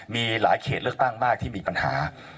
มีหลายเขตเลือกตั้งมากที่มีปัญหา